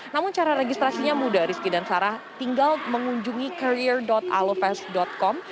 namun cara registrasinya mudah risky dan sarah tinggal mengunjungi career alofest com